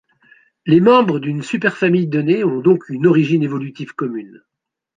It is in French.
Les membres d'une superfamille donnée ont donc une origine évolutive commune.